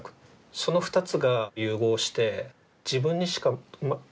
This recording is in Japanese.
その２つが融合して自分にしか作れない